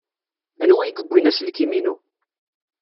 Anwa ay yewwin aselkim-inu?